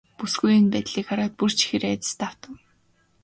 Бүсгүй энэ байдлыг хараад бүр ч ихээр айдаст автав.